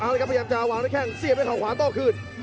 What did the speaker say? อ้าวนะครับเคลียมจะเอาวางใส่แพงเสียบให้เขาขวาถอบขึ้น